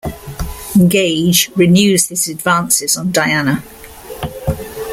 Gage renews his advances on Diana.